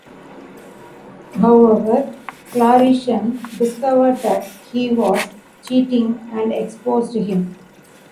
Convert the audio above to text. However, Calrissian discovered that he was cheating and exposed him.